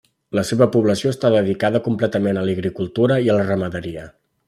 La seva població està dedicada completament a l'agricultura i la ramaderia.